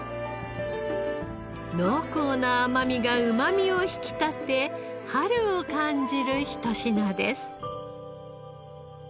濃厚な甘みがうまみを引き立て春を感じるひと品です。